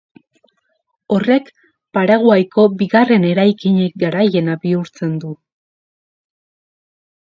Horrek Paraguaiko bigarren eraikinik garaiena bihurtzen du.